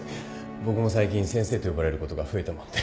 僕も最近先生と呼ばれることが増えたもんで。